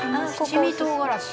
「七味唐辛子。